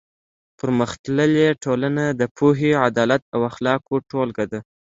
پرمختللې ټولنه د پوهې، عدالت او اخلاقو ټولګه ده.